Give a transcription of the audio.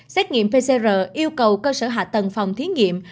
xét nghiệm pcr yêu cầu cơ sở hạ tầng phòng thí nghiệm